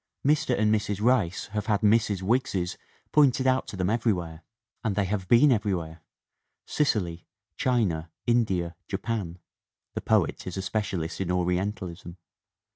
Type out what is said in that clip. Mr. and Mrs. Rice have had Mrs. Wiggses pointed out to them everywhere and they have been everywhere Sicily, China, India, Japan (the poet is a specialist in Ori entalism).